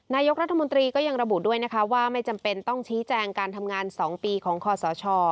นายกรัฐมนตรีก็ยังระบุด้วยนะคะว่าไม่จำเป็นต้องชี้แจงการทำงาน๒ปีของคอสช